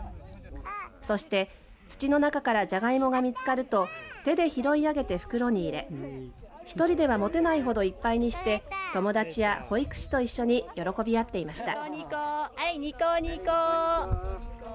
そして土の中からジャガイモが見つかると手で拾い上げて袋に入れ１人では持てないほどいっぱいにして友達や保育士と一緒に喜び合っていました。